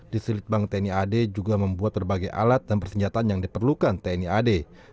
di selitbang tni ad juga membuat berbagai alat dan persenjataan yang diperlukan tni ad